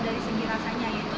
dari segi rasanya itu